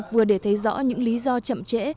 vừa để thấy rõ những lý do chậm trễ